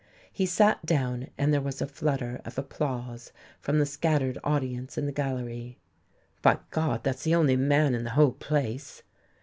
He sat down, and there was a flutter of applause from the scattered audience in the gallery. "By God, that's the only man in the whole place!"